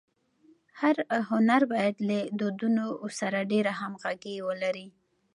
هر هنر باید له دودونو سره ډېره همږغي ولري.